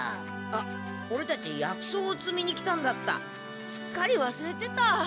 あオレたち薬草をつみに来たんだった！すっかりわすれてた。